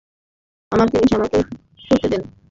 আমার জিনিস, আমাকেই করতে দেন।